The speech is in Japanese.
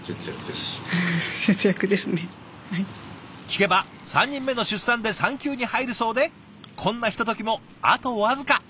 聞けば３人目の出産で産休に入るそうでこんなひとときもあと僅か。